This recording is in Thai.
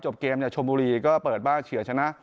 เกมชมบุรีก็เปิดบ้านเฉียชนะ